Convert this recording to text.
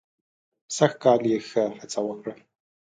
سږ کال یې ښه هڅه وکړه.